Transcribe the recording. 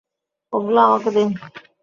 ওগুলো আমাকে দিন।